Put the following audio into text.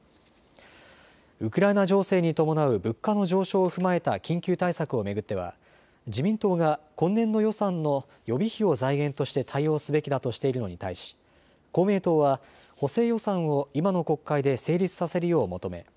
ウクライナ情勢に伴う物価の上昇を踏まえた緊急対策を巡っては自民党が今年度予算の予備費を財源として対応すべきだとしているのに対し公明党は補正予算を今の国会で成立させるよう求め